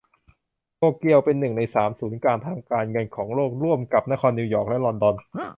โตเกียวเป็น หนึ่ง ใน สาม ศูนย์กลางทางการเงินของโลกร่วมกับนครนิวยอร์กและลอนดอน